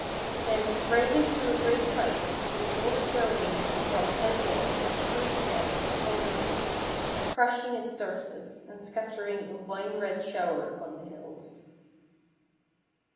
Then, rising to a great height, they folded their wings and dropped headlong, like three rocks, on the lake, crashing its surface, and scattering a wine red shower upon the hills.